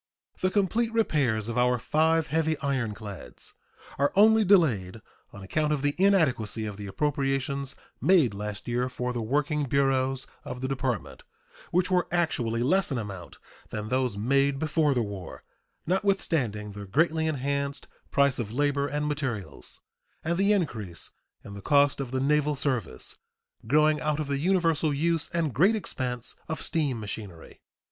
The complete repairs of our five heavy ironclads are only delayed on account of the inadequacy of the appropriations made last year for the working bureaus of the Department, which were actually less in amount than those made before the war, notwithstanding the greatly enhanced price of labor and materials and the increase in the cost of the naval service growing out of the universal use and great expense of steam machinery.